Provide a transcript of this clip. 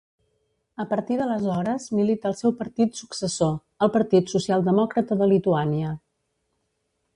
A partir d'aleshores milita al seu partit successor, el Partit Socialdemòcrata de Lituània.